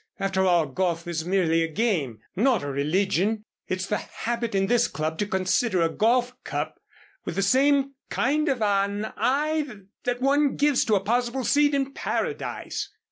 After all, golf is merely a game not a religion. It's the habit in this club to consider a golf cup with the same kind of an eye that one gives to a possible seat in Paradise."